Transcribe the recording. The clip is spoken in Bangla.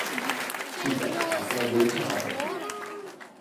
ঠিক আছে, আপনার বই ছাপা হোক।